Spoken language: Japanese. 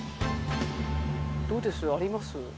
どうです？